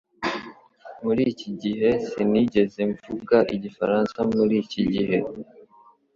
Muri iki gihe sinigeze mvuga igifaransa muri iki gihe